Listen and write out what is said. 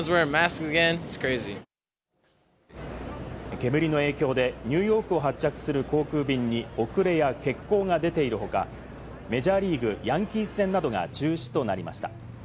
煙の影響でニューヨークを発着する航空便に遅れや欠航が出ている他、メジャーリーグ・ヤンキース戦などが中止となりました。